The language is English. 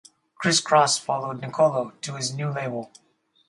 Kris Kross followed Nicolo to his new label.